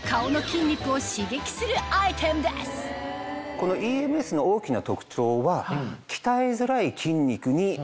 このＥＭＳの大きな特徴は。